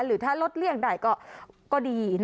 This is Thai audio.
หรือถ้าลดเลี่ยงได้ก็ดี